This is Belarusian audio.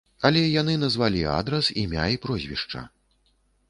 Але яны назвалі адрас, імя і прозвішча.